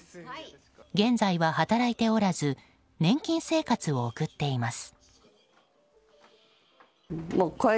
現在は働いておらず年金生活を送っています。